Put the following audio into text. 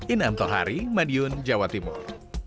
inam tohari madiun jawa timur